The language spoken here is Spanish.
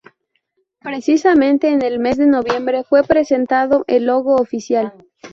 Precisamente, en el mes de noviembre fue presentado el "logo oficial".